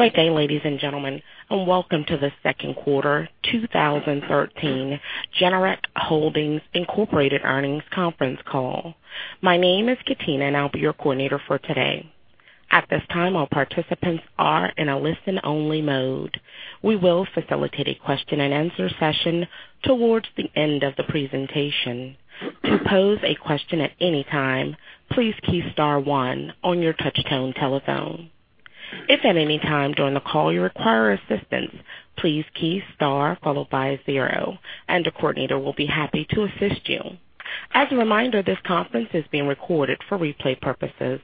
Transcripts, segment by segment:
Good day, ladies and gentlemen, and welcome to the second quarter 2013 Generac Holdings Inc. earnings conference call. My name is Katina, and I'll be your coordinator for today. At this time, all participants are in a listen-only mode. We will facilitate a question-and-answer session towards the end of the presentation. To pose a question at any time, please key star one on your touch-tone telephone. If at any time during the call you require assistance, please key star followed by zero, and a coordinator will be happy to assist you. As a reminder, this conference is being recorded for replay purposes.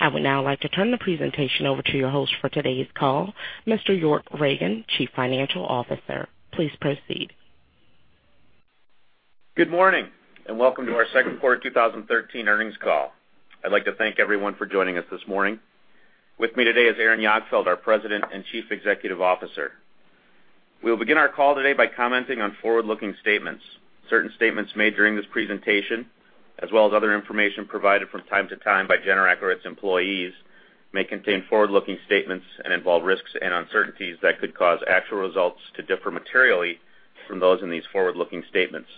I would now like to turn the presentation over to your host for today's call, Mr. York Ragen, Chief Financial Officer. Please proceed. Good morning and welcome to our second quarter 2013 earnings call. I'd like to thank everyone for joining us this morning. With me today is Aaron Jagdfeld, our President and Chief Executive Officer. We will begin our call today by commenting on forward-looking statements. Certain statements made during this presentation, as well as other information provided from time to time by Generac or its employees, may contain forward-looking statements and involve risks and uncertainties that could cause actual results to differ materially from those in these forward-looking statements.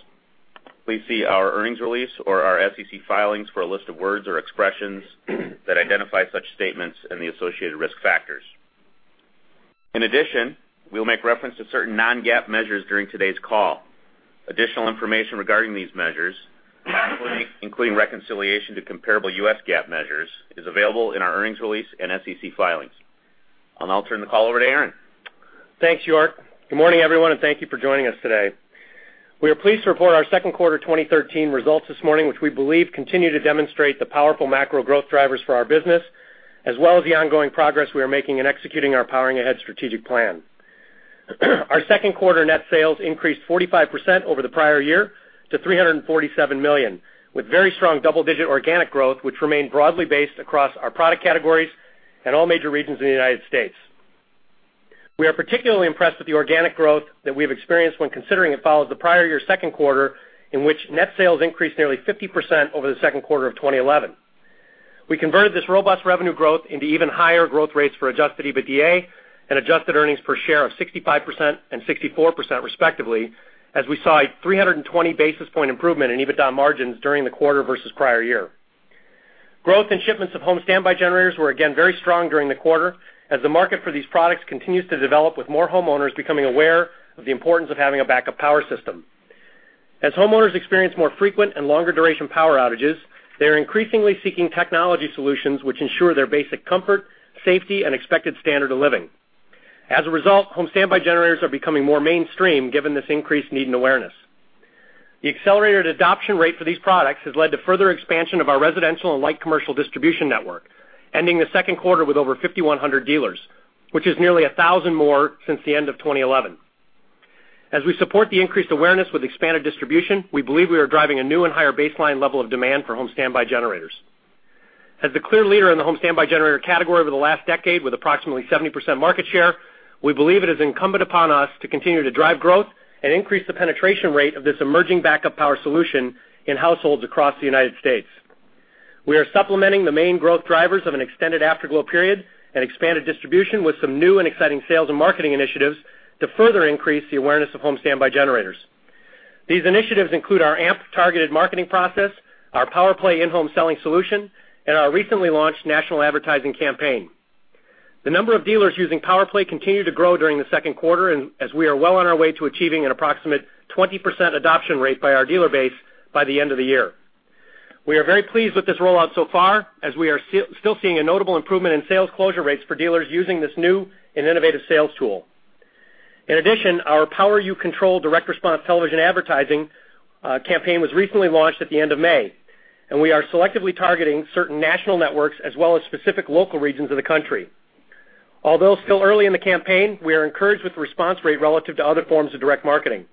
Please see our earnings release or our SEC filings for a list of words or expressions that identify such statements and the associated risk factors. In addition, we will make reference to certain non-GAAP measures during today's call. Additional information regarding these measures, including reconciliation to comparable U.S. GAAP measures, is available in our earnings release and SEC filings. I'll now turn the call over to Aaron. Thanks, York. Good morning, everyone, and thank you for joining us today. We are pleased to report our second quarter 2013 results this morning, which we believe continue to demonstrate the powerful macro growth drivers for our business, as well as the ongoing progress we are making in executing our Powering Ahead strategic plan. Our second quarter net sales increased 45% over the prior year to $347 million, with very strong double-digit organic growth, which remained broadly based across our product categories and all major regions in the United States. We are particularly impressed with the organic growth that we have experienced when considering it follows the prior year second quarter, in which net sales increased nearly 50% over the second quarter of 2011. We converted this robust revenue growth into even higher growth rates for adjusted EBITDA and adjusted earnings per share of 65% and 64%, respectively, as we saw a 320 basis point improvement in EBITDA margins during the quarter versus prior year. Growth in shipments of home standby generators were again very strong during the quarter as the market for these products continues to develop, with more homeowners becoming aware of the importance of having a backup power system. As homeowners experience more frequent and longer duration power outages, they are increasingly seeking technology solutions which ensure their basic comfort, safety, and expected standard of living. As a result, home standby generators are becoming more mainstream given this increased need and awareness. The accelerated adoption rate for these products has led to further expansion of our residential and light commercial distribution network, ending the second quarter with over 5,100 dealers, which is nearly 1,000 more since the end of 2011. As we support the increased awareness with expanded distribution, we believe we are driving a new and higher baseline level of demand for home standby generators. As the clear leader in the home standby generator category over the last decade, with approximately 70% market share, we believe it is incumbent upon us to continue to drive growth and increase the penetration rate of this emerging backup power solution in households across the United States. We are supplementing the main growth drivers of an extended Afterglow period and expanded distribution with some new and exciting sales and marketing initiatives to further increase the awareness of home standby generators. These initiatives include our A.M.P. targeted marketing process, our PowerPlay in-home selling solution, and our recently launched national advertising campaign. The number of dealers using PowerPlay continued to grow during the second quarter, as we are well on our way to achieving an approximate 20% adoption rate by our dealer base by the end of the year. We are very pleased with this rollout so far, as we are still seeing a notable improvement in sales closure rates for dealers using this new and innovative sales tool. In addition, our Power You Control direct response television advertising campaign was recently launched at the end of May, and we are selectively targeting certain national networks as well as specific local regions of the country. Although still early in the campaign, we are encouraged with the response rate relative to other forms of direct marketing.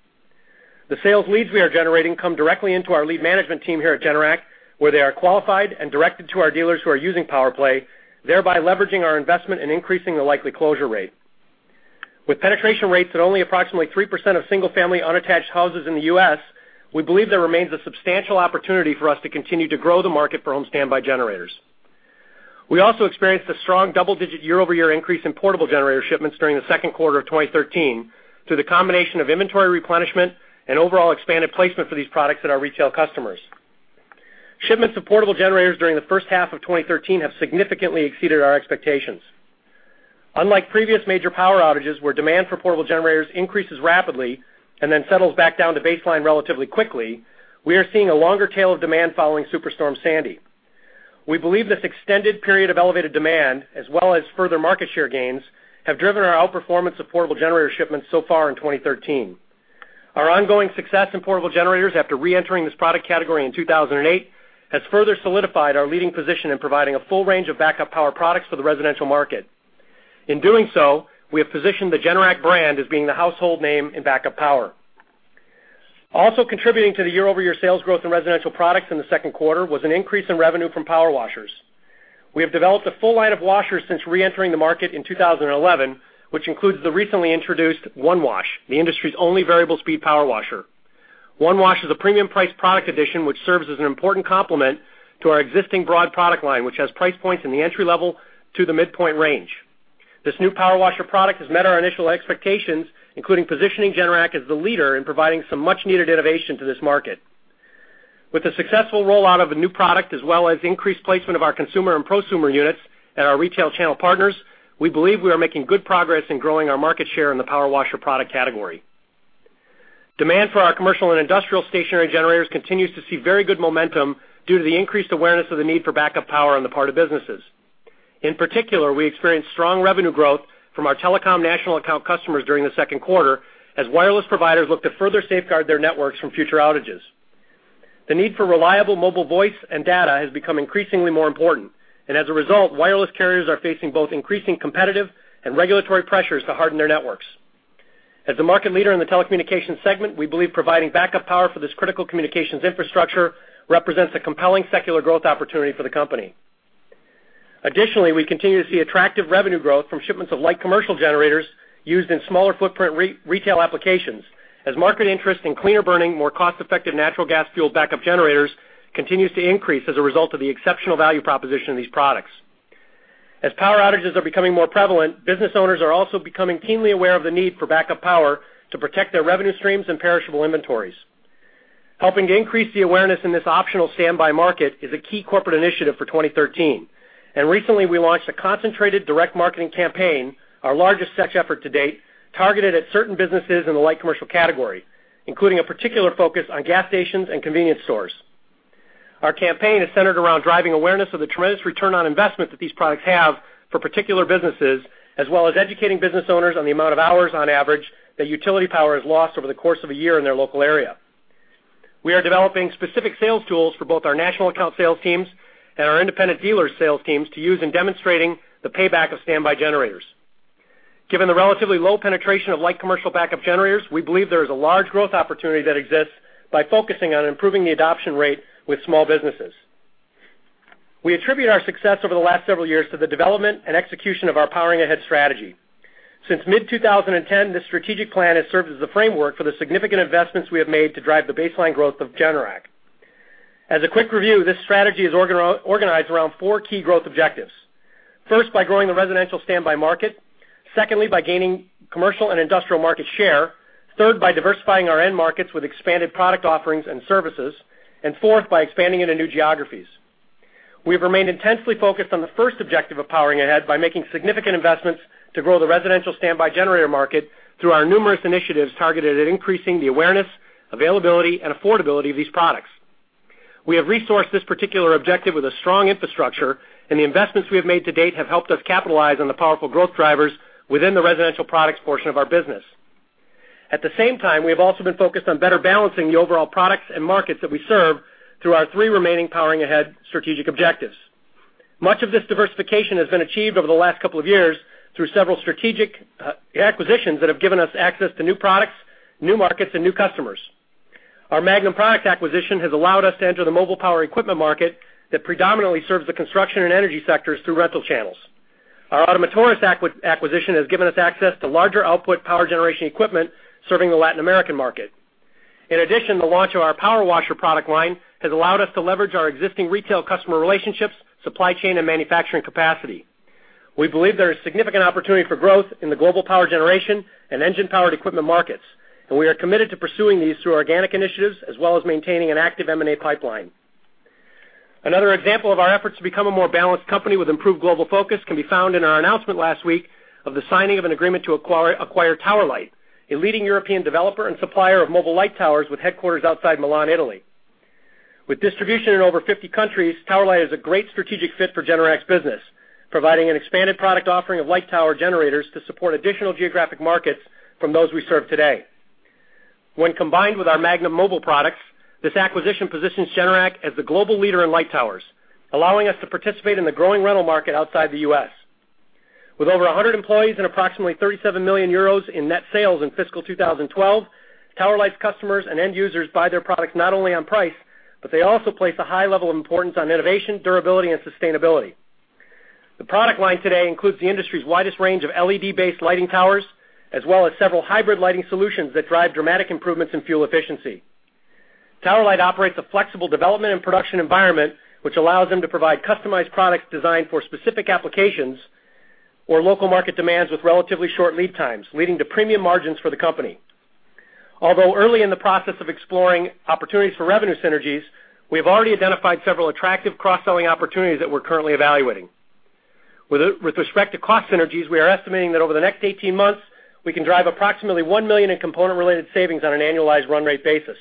The sales leads we are generating come directly into our lead management team here at Generac, where they are qualified and directed to our dealers who are using PowerPlay, thereby leveraging our investment and increasing the likely closure rate. With penetration rates at only approximately 3% of single-family unattached houses in the U.S., we believe there remains a substantial opportunity for us to continue to grow the market for home standby generators. We also experienced a strong double-digit year-over-year increase in portable generator shipments during the second quarter of 2013 through the combination of inventory replenishment and overall expanded placement for these products at our retail customers. Shipments of portable generators during the first half of 2013 have significantly exceeded our expectations. Unlike previous major power outages, where demand for portable generators increases rapidly and then settles back down to baseline relatively quickly, we are seeing a longer tail of demand following Superstorm Sandy. We believe this extended period of elevated demand, as well as further market share gains, have driven our outperformance of portable generator shipments so far in 2013. Our ongoing success in portable generators after re-entering this product category in 2008 has further solidified our leading position in providing a full range of backup power products for the residential market. In doing so, we have positioned the Generac brand as being the household name in backup power. Also contributing to the year-over-year sales growth in residential products in the second quarter was an increase in revenue from power washers. We have developed a full line of washers since re-entering the market in 2011, which includes the recently introduced OneWash, the industry's only variable speed power washer. OneWash is a premium priced product addition which serves as an important complement to our existing broad product line, which has price points in the entry level to the midpoint range. This new power washer product has met our initial expectations, including positioning Generac as the leader in providing some much needed innovation to this market. With the successful rollout of a new product, as well as increased placement of our consumer and prosumer units at our retail channel partners, we believe we are making good progress in growing our market share in the power washer product category. Demand for our commercial and industrial stationary generators continues to see very good momentum due to the increased awareness of the need for backup power on the part of businesses. In particular, we experienced strong revenue growth from our telecom national account customers during the second quarter, as wireless providers look to further safeguard their networks from future outages. The need for reliable mobile voice and data has become increasingly more important, and as a result, wireless carriers are facing both increasing competitive and regulatory pressures to harden their networks. As a market leader in the telecommunications segment, we believe providing backup power for this critical communications infrastructure represents a compelling secular growth opportunity for the company. We continue to see attractive revenue growth from shipments of light commercial generators used in smaller footprint retail applications, as market interest in cleaner burning, more cost-effective natural gas-fueled backup generators continues to increase as a result of the exceptional value proposition of these products. As power outages are becoming more prevalent, business owners are also becoming keenly aware of the need for backup power to protect their revenue streams and perishable inventories. Helping to increase the awareness in this optional standby market is a key corporate initiative for 2013, and recently we launched a concentrated direct marketing campaign, our largest such effort to date, targeted at certain businesses in the light commercial category, including a particular focus on gas stations and convenience stores. Our campaign is centered around driving awareness of the tremendous return on investment that these products have for particular businesses, as well as educating business owners on the amount of hours, on average, that utility power is lost over the course of a year in their local area. We are developing specific sales tools for both our national account sales teams and our independent dealer sales teams to use in demonstrating the payback of standby generators. Given the relatively low penetration of light commercial backup generators, we believe there is a large growth opportunity that exists by focusing on improving the adoption rate with small businesses. We attribute our success over the last several years to the development and execution of our Powering Ahead strategy. Since mid-2010, this strategic plan has served as the framework for the significant investments we have made to drive the baseline growth of Generac. As a quick review, this strategy is organized around four key growth objectives. First, by growing the residential standby market. Secondly, by gaining commercial and industrial market share. Third, by diversifying our end markets with expanded product offerings and services. Fourth, by expanding into new geographies. We have remained intensely focused on the first objective of Powering Ahead by making significant investments to grow the residential standby generator market through our numerous initiatives targeted at increasing the awareness, availability, and affordability of these products. We have resourced this particular objective with a strong infrastructure, and the investments we have made to date have helped us capitalize on the powerful growth drivers within the residential products portion of our business. At the same time, we have also been focused on better balancing the overall products and markets that we serve through our three remaining Powering Ahead strategic objectives. Much of this diversification has been achieved over the last couple of years through several strategic acquisitions that have given us access to new products, new markets, and new customers. Our Magnum product acquisition has allowed us to enter the mobile power equipment market that predominantly serves the construction and energy sectors through rental channels. Our Ottomotores acquisition has given us access to larger output power generation equipment serving the Latin American market. In addition, the launch of our Power Washer product line has allowed us to leverage our existing retail customer relationships, supply chain, and manufacturing capacity. We believe there is significant opportunity for growth in the global power generation and engine-powered equipment markets, and we are committed to pursuing these through organic initiatives, as well as maintaining an active M&A pipeline. Another example of our efforts to become a more balanced company with improved global focus can be found in our announcement last week of the signing of an agreement to acquire Tower Light, a leading European developer and supplier of mobile light towers with headquarters outside Milan, Italy. With distribution in over 50 countries, Tower Light is a great strategic fit for Generac's business, providing an expanded product offering of light tower generators to support additional geographic markets from those we serve today. When combined with our Magnum Mobile products, this acquisition positions Generac as the global leader in light towers, allowing us to participate in the growing rental market outside the U.S. With over 100 employees and approximately 37 million euros in net sales in fiscal 2012, Tower Light's customers and end users buy their products not only on price, but they also place a high level of importance on innovation, durability, and sustainability. The product line today includes the industry's widest range of LED-based lighting towers, as well as several hybrid lighting solutions that drive dramatic improvements in fuel efficiency. Tower Light operates a flexible development and production environment, which allows them to provide customized products designed for specific applications or local market demands with relatively short lead times, leading to premium margins for the company. Although early in the process of exploring opportunities for revenue synergies, we have already identified several attractive cross-selling opportunities that we're currently evaluating. With respect to cost synergies, we are estimating that over the next 18 months, we can drive approximately $1 million in component-related savings on an annualized run rate basis.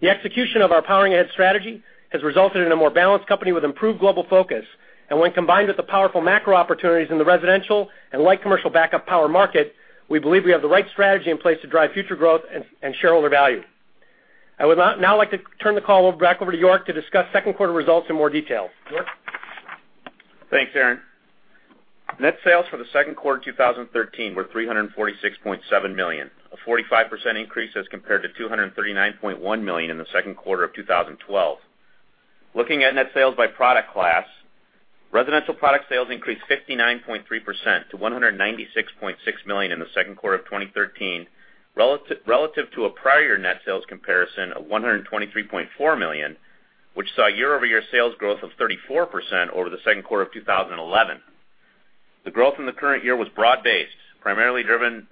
The execution of our Powering Ahead strategy has resulted in a more balanced company with improved global focus. When combined with the powerful macro opportunities in the residential and light commercial backup power market, we believe we have the right strategy in place to drive future growth and shareholder value. I would now like to turn the call back over to York to discuss second quarter results in more detail. York? Thanks, Aaron. Net sales for the second quarter 2013 were $346.7 million, a 45% increase as compared to $239.1 million in the second quarter of 2012. Looking at net sales by product class, residential product sales increased 59.3% to $196.6 million in the second quarter of 2013 relative to a prior year net sales comparison of $123.4 million, which saw year-over-year sales growth of 34% over the second quarter of 2011. The growth in the current year was broad-based, primarily driven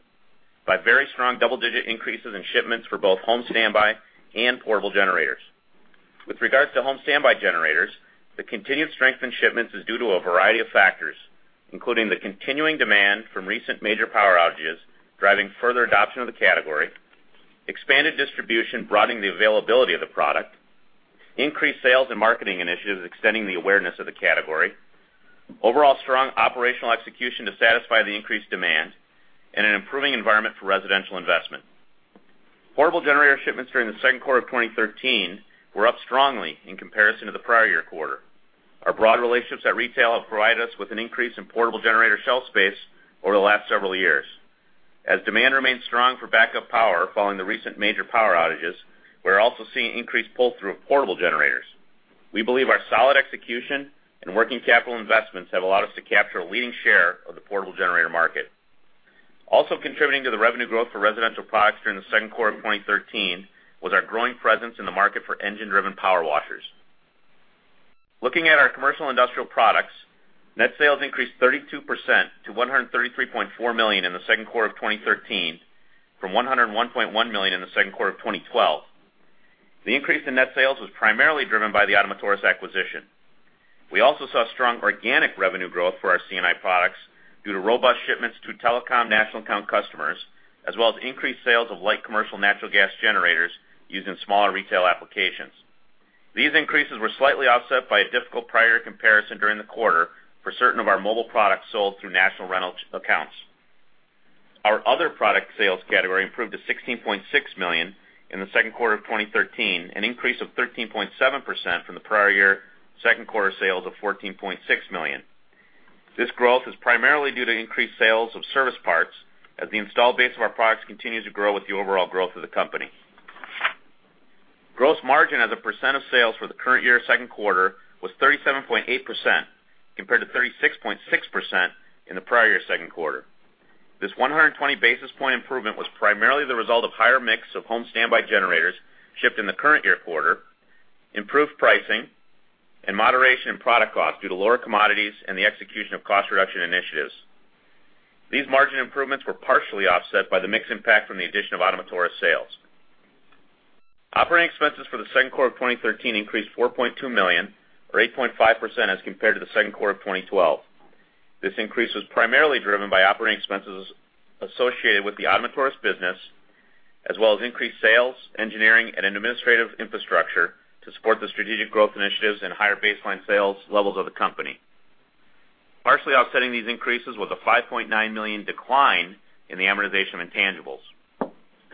by very strong double-digit increases in shipments for both home standby and portable generators. With regards to home standby generators, the continued strength in shipments is due to a variety of factors, including the continuing demand from recent major power outages driving further adoption of the category, expanded distribution broadening the availability of the product, increased sales and marketing initiatives extending the awareness of the category, overall strong operational execution to satisfy the increased demand, and an improving environment for residential investment. Portable generator shipments during the second quarter of 2013 were up strongly in comparison to the prior year quarter. Our broad relationships at retail have provided us with an increase in portable generator shelf space over the last several years. As demand remains strong for backup power following the recent major power outages, we are also seeing increased pull-through of portable generators. We believe our solid execution and working capital investments have allowed us to capture a leading share of the portable generator market. Also contributing to the revenue growth for residential products during the second quarter of 2013 was our growing presence in the market for engine-driven power washers. Looking at our commercial industrial products, net sales increased 32% to $133.4 million in the second quarter of 2013 from $101.1 million in the second quarter of 2012. The increase in net sales was primarily driven by the Ottomotores acquisition. We also saw strong organic revenue growth for our C&I products due to robust shipments to telecom national account customers, as well as increased sales of light commercial natural gas generators used in smaller retail applications. These increases were slightly offset by a difficult prior year comparison during the quarter for certain of our mobile products sold through national rental accounts. Our other product sales category improved to $16.6 million in the second quarter of 2013, an increase of 13.7% from the prior year second quarter sales of $14.6 million. This growth is primarily due to increased sales of service parts as the installed base of our products continues to grow with the overall growth of the company. Gross margin as a percent of sales for the current year second quarter was 37.8%, compared to 36.6% in the prior year second quarter. This 120 basis point improvement was primarily the result of higher mix of home standby generators shipped in the current year quarter, improved pricing, and moderation in product cost due to lower commodities and the execution of cost reduction initiatives. These margin improvements were partially offset by the mix impact from the addition of Ottomotores sales. Operating expenses for the second quarter of 2013 increased $4.2 million, or 8.5% as compared to the second quarter of 2012. This increase was primarily driven by operating expenses associated with the Ottomotores business, as well as increased sales, engineering, and administrative infrastructure to support the strategic growth initiatives and higher baseline sales levels of the company. Partially offsetting these increases was a $5.9 million decline in the amortization of intangibles.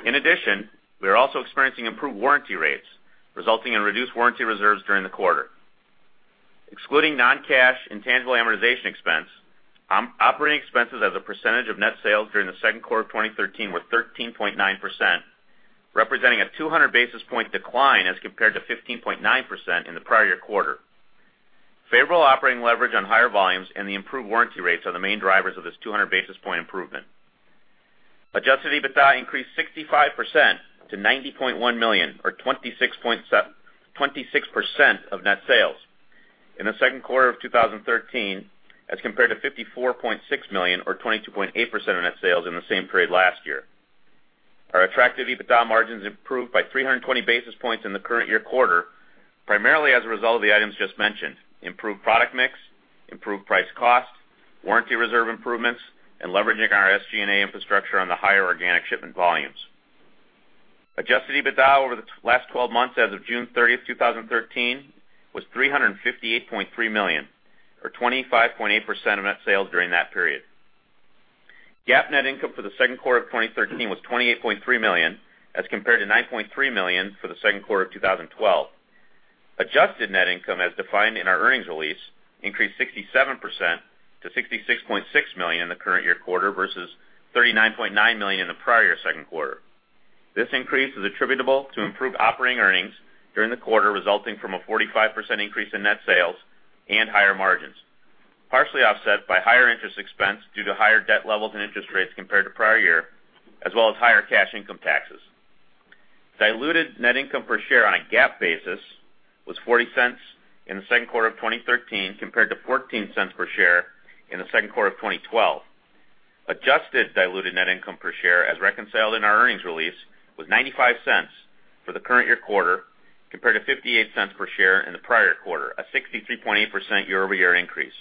In addition, we are also experiencing improved warranty rates, resulting in reduced warranty reserves during the quarter. Excluding non-cash intangible amortization expense, operating expenses as a percentage of net sales during the second quarter of 2013 were 13.9%, representing a 200 basis point decline as compared to 15.9% in the prior year quarter. Favorable operating leverage on higher volumes and the improved warranty rates are the main drivers of this 200 basis point improvement. Adjusted EBITDA increased 65% to $90.1 million, or 26% of net sales in the second quarter of 2013 as compared to $54.6 million, or 22.8% of net sales in the same period last year. Our attractive EBITDA margins improved by 320 basis points in the current year quarter, primarily as a result of the items just mentioned: improved product mix, improved price cost, warranty reserve improvements, and leveraging our SG&A infrastructure on the higher organic shipment volumes. Adjusted EBITDA over the last 12 months as of June 30th, 2013 was $358.3 million, or 25.8% of net sales during that period. GAAP net income for the second quarter of 2013 was $28.3 million, as compared to $9.3 million for the second quarter of 2012. Adjusted net income, as defined in our earnings release, increased 67% to $66.6 million in the current year quarter versus $39.9 million in the prior year second quarter. This increase is attributable to improved operating earnings during the quarter, resulting from a 45% increase in net sales and higher margins, partially offset by higher interest expense due to higher debt levels and interest rates compared to prior year, as well as higher cash income taxes. Diluted net income per share on a GAAP basis was $0.40 in the second quarter of 2013 compared to $0.14 per share in the second quarter of 2012. Adjusted diluted net income per share, as reconciled in our earnings release, was $0.95 for the current year quarter compared to $0.58 per share in the prior quarter, a 63.8% year-over-year increase.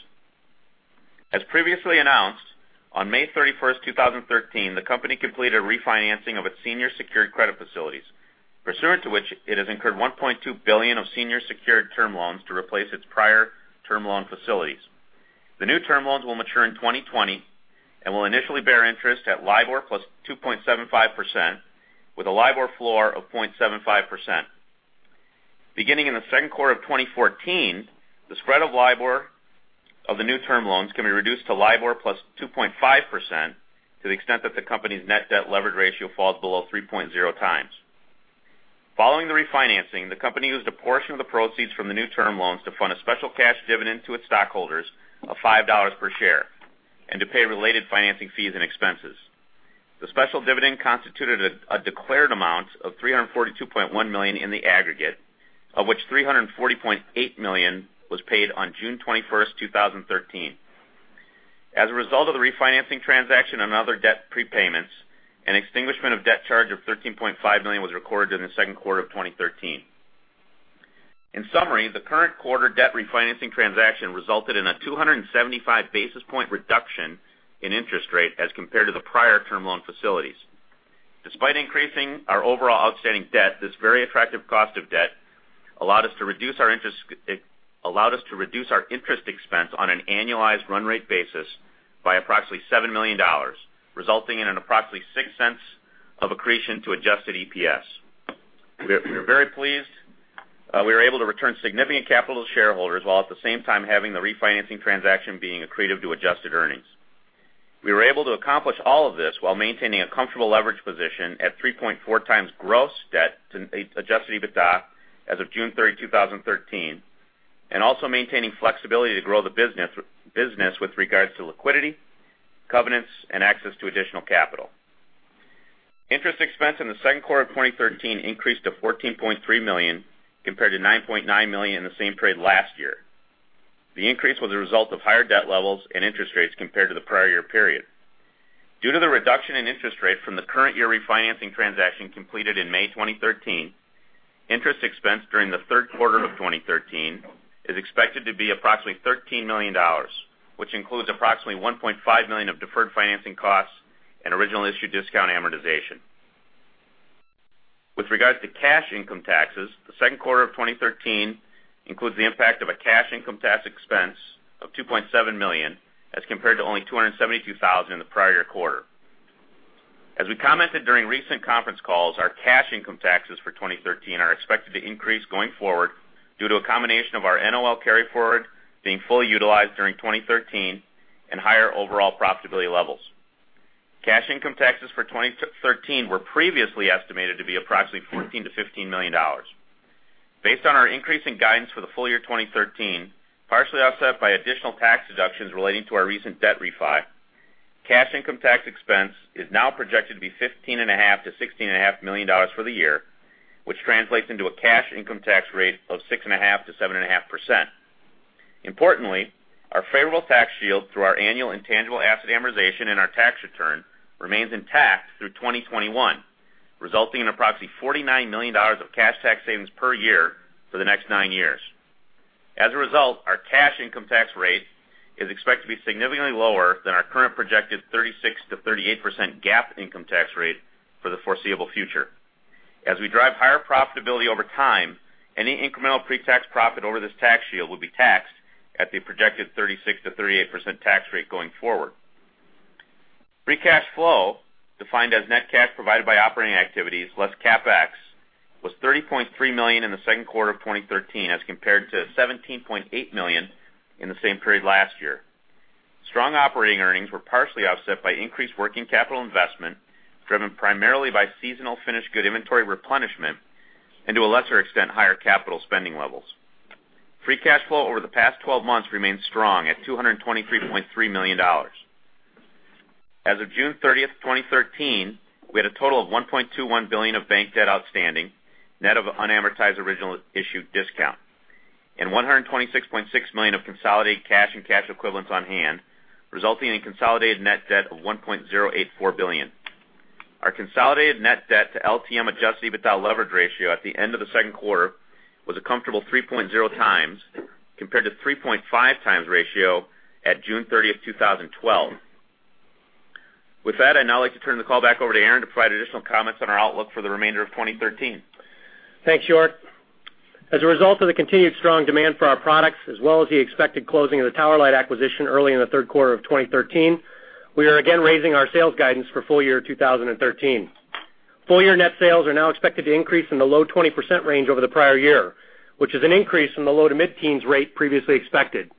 As previously announced, on May 31st, 2013, the company completed refinancing of its senior secured credit facilities, pursuant to which it has incurred $1.2 billion of senior secured term loans to replace its prior term loan facilities. The new term loans will mature in 2020 and will initially bear interest at LIBOR plus 2.75%, with a LIBOR floor of 0.75%. Beginning in the second quarter of 2014, the spread of LIBOR of the new term loans can be reduced to LIBOR plus 2.5% to the extent that the company's net debt levered ratio falls below 3.0x. Following the refinancing, the company used a portion of the proceeds from the new term loans to fund a special cash dividend to its stockholders of $5 per share and to pay related financing fees and expenses. The special dividend constituted a declared amount of $342.1 million in the aggregate, of which $340.8 million was paid on June 21st, 2013. As a result of the refinancing transaction and other debt prepayments, an extinguishment of debt charge of $13.5 million was recorded in the second quarter of 2013. In summary, the current quarter debt refinancing transaction resulted in a 275 basis point reduction in interest rate as compared to the prior term loan facilities. Despite increasing our overall outstanding debt, this very attractive cost of debt allowed us to reduce our interest expense on an annualized run rate basis by approximately $7 million, resulting in an approximately $0.06 of accretion to adjusted EPS. We are very pleased we were able to return significant capital to shareholders while at the same time having the refinancing transaction being accretive to adjusted earnings. We were able to accomplish all of this while maintaining a comfortable leverage position at 3.4x gross debt to adjusted EBITDA as of June 3rd, 2013, and also maintaining flexibility to grow the business with regards to liquidity, covenants, and access to additional capital. Interest expense in the second quarter of 2013 increased to $14.3 million, compared to $9.9 million in the same period last year. The increase was a result of higher debt levels and interest rates compared to the prior year period. Due to the reduction in interest rate from the current year refinancing transaction completed in May 2013, interest expense during the third quarter of 2013 is expected to be approximately $13 million, which includes approximately $1.5 million of deferred financing costs and original issue discount amortization. With regards to cash income taxes, the second quarter of 2013 includes the impact of a cash income tax expense of $2.7 million as compared to only $272,000 in the prior quarter. As we commented during recent conference calls, our cash income taxes for 2013 are expected to increase going forward due to a combination of our NOL carry-forward being fully utilized during 2013 and higher overall profitability levels. Cash income taxes for 2013 were previously estimated to be approximately $14 million-$15 million. Based on our increasing guidance for the full year 2013, partially offset by additional tax deductions relating to our recent debt refi, cash income tax expense is now projected to be $15.5 million-$16.5 million for the year, which translates into a cash income tax rate of 6.5%-7.5%. Importantly, our favorable tax shield through our annual intangible asset amortization in our tax return remains intact through 2021, resulting in approximately $49 million of cash tax savings per year for the next nine years. As a result, our cash income tax rate is expected to be significantly lower than our current projected 36%-38% GAAP income tax rate for the foreseeable future. As we drive higher profitability over time, any incremental pre-tax profit over this tax shield will be taxed at the projected 36%-38% tax rate going forward. Free cash flow, defined as net cash provided by operating activities less CapEx, was $30.3 million in the second quarter of 2013 as compared to $17.8 million in the same period last year. Strong operating earnings were partially offset by increased working capital investment, driven primarily by seasonal finished good inventory replenishment and, to a lesser extent, higher capital spending levels. Free cash flow over the past 12 months remains strong at $223.3 million. As of June 30th, 2013, we had a total of $1.21 billion of bank debt outstanding, net of unamortized original issue discount, and $126.6 million of consolidated cash and cash equivalents on hand, resulting in consolidated net debt of $1.084 billion. Our consolidated net debt to LTM adjusted EBITDA leverage ratio at the end of the second quarter was a comfortable 3.0x, compared to 3.5x ratio at June 30th, 2012. With that, I'd now like to turn the call back over to Aaron to provide additional comments on our outlook for the remainder of 2013. Thanks, York. As a result of the continued strong demand for our products, as well as the expected closing of the Tower Light acquisition early in the third quarter of 2013, we are again raising our sales guidance for full year 2013. Full year net sales are now expected to increase in the low 20% range over the prior year, which is an increase from the low to mid-teens rate previously expected.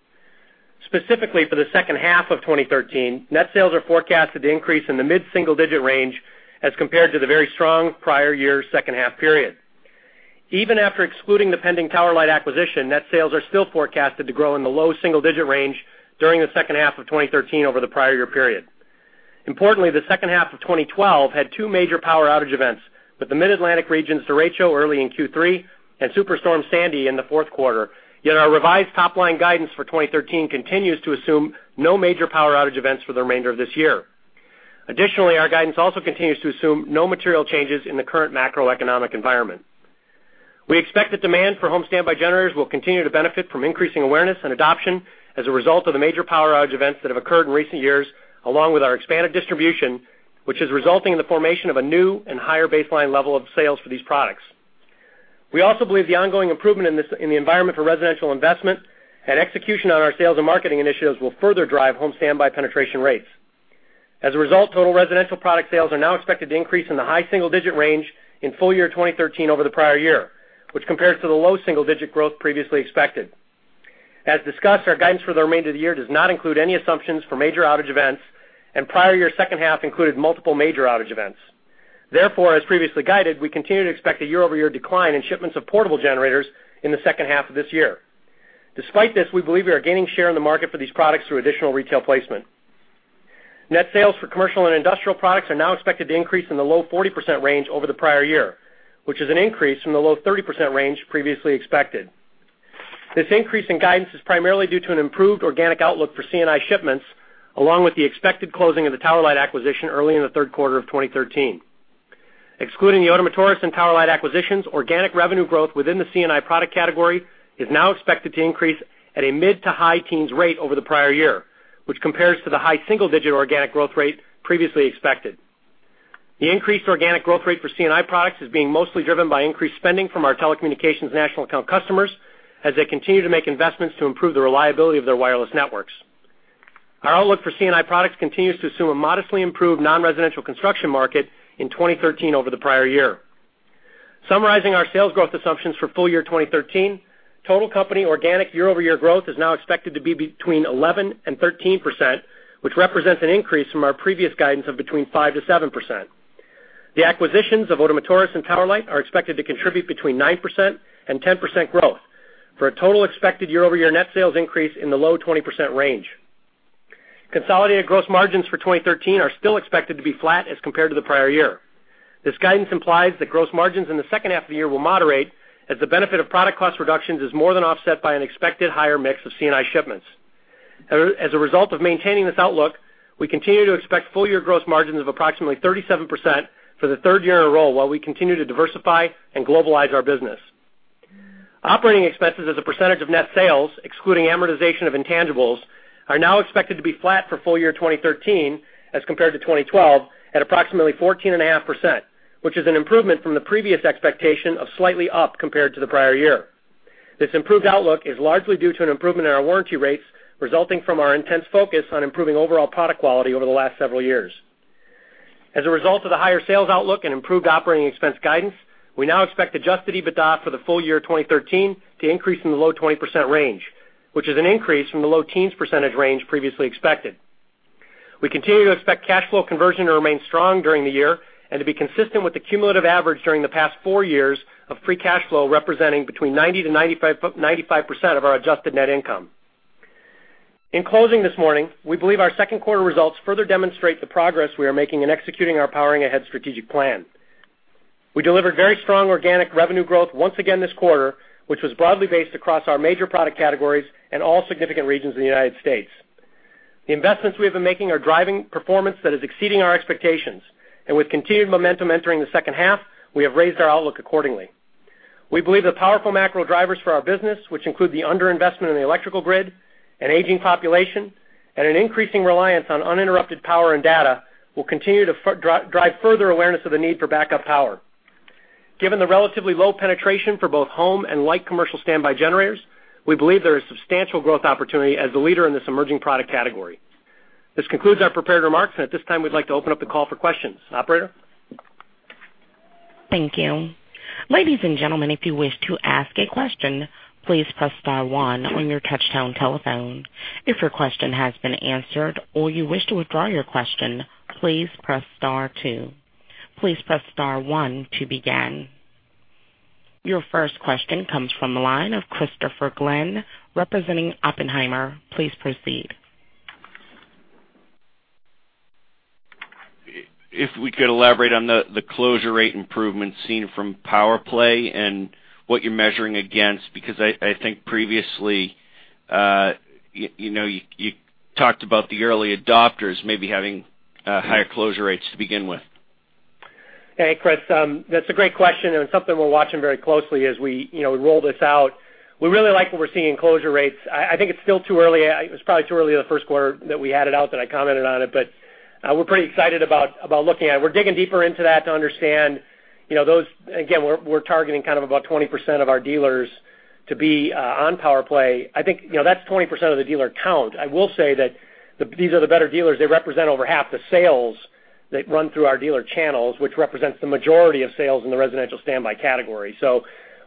Specifically for the second half of 2013, net sales are forecasted to increase in the mid-single digit range as compared to the very strong prior year second half period. Even after excluding the pending Tower Light acquisition, net sales are still forecasted to grow in the low single digit range during the second half of 2013 over the prior year period. Importantly, the second half of 2012 had two major power outage events with the Mid-Atlantic region's derecho early in Q3 and Superstorm Sandy in the fourth quarter. Our revised top-line guidance for 2013 continues to assume no major power outage events for the remainder of this year. Our guidance also continues to assume no material changes in the current macroeconomic environment. We expect the demand for home standby generators will continue to benefit from increasing awareness and adoption as a result of the major power outage events that have occurred in recent years, along with our expanded distribution, which is resulting in the formation of a new and higher baseline level of sales for these products. We also believe the ongoing improvement in the environment for residential investment and execution on our sales and marketing initiatives will further drive home standby penetration rates. Total residential product sales are now expected to increase in the high single-digit range in full year 2013 over the prior year, which compares to the low single-digit growth previously expected. Our guidance for the remainder of the year does not include any assumptions for major outage events, and prior year second half included multiple major outage events. As previously guided, we continue to expect a year-over-year decline in shipments of portable generators in the second half of this year. We believe we are gaining share in the market for these products through additional retail placement. Net sales for commercial and industrial products are now expected to increase in the low 40% range over the prior year, which is an increase from the low 30% range previously expected. This increase in guidance is primarily due to an improved organic outlook for C&I shipments, along with the expected closing of the Tower Light acquisition early in the third quarter of 2013. Excluding the Ottomotores and Tower Light acquisitions, organic revenue growth within the C&I product category is now expected to increase at a mid to high teens rate over the prior year, which compares to the high single-digit organic growth rate previously expected. The increased organic growth rate for C&I products is being mostly driven by increased spending from our telecommunications national account customers as they continue to make investments to improve the reliability of their wireless networks. Our outlook for C&I products continues to assume a modestly improved non-residential construction market in 2013 over the prior year. Summarizing our sales growth assumptions for full year 2013, total company organic year-over-year growth is now expected to be between 11% and 13%, which represents an increase from our previous guidance of between 5%-7%. The acquisitions of Ottomotores and Tower Light are expected to contribute between 9% and 10% growth for a total expected year-over-year net sales increase in the low 20% range. Consolidated gross margins for 2013 are still expected to be flat as compared to the prior year. This guidance implies that gross margins in the second half of the year will moderate as the benefit of product cost reductions is more than offset by an expected higher mix of C&I shipments. As a result of maintaining this outlook, we continue to expect full year gross margins of approximately 37% for the third year in a row while we continue to diversify and globalize our business. Operating expenses as a percentage of net sales, excluding amortization of intangibles, are now expected to be flat for full year 2013 as compared to 2012 at approximately 14.5%, which is an improvement from the previous expectation of slightly up compared to the prior year. This improved outlook is largely due to an improvement in our warranty rates, resulting from our intense focus on improving overall product quality over the last several years. As a result of the higher sales outlook and improved operating expense guidance, we now expect adjusted EBITDA for the full year 2013 to increase in the low 20% range, which is an increase from the low teens percentage range previously expected. We continue to expect cash flow conversion to remain strong during the year and to be consistent with the cumulative average during the past four years of free cash flow representing between 90%-95% of our adjusted net income. In closing this morning, we believe our second quarter results further demonstrate the progress we are making in executing our Powering Ahead strategic plan. We delivered very strong organic revenue growth once again this quarter, which was broadly based across our major product categories and all significant regions in the U.S. The investments we have been making are driving performance that is exceeding our expectations. With continued momentum entering the second half, we have raised our outlook accordingly. We believe the powerful macro drivers for our business, which include the under-investment in the electrical grid, an aging population, and an increasing reliance on uninterrupted power and data, will continue to drive further awareness of the need for backup power. Given the relatively low penetration for both home and light commercial standby generators, we believe there is substantial growth opportunity as the leader in this emerging product category. This concludes our prepared remarks, and at this time, we'd like to open up the call for questions. Operator? Thank you. Ladies and gentlemen, if you wish to ask a question, please press star one on your touchtone telephone. If your question has been answered or you wish to withdraw your question, please press star two. Please press star one to begin. Your first question comes from the line of Christopher Glynn representing Oppenheimer. Please proceed. If we could elaborate on the closure rate improvements seen from PowerPlay and what you're measuring against, I think previously, you talked about the early adopters maybe having higher closure rates to begin with. Hey, Chris. That's a great question and something we're watching very closely as we roll this out. We really like what we're seeing in closure rates. I think it's still too early. It was probably too early in the first quarter that we had it out that I commented on it, we're pretty excited about looking at it. We're digging deeper into that to understand those. Again, we're targeting about 20% of our dealers to be on PowerPlay. I think that's 20% of the dealer count. I will say that these are the better dealers. They represent over half the sales that run through our dealer channels, which represents the majority of sales in the residential standby category.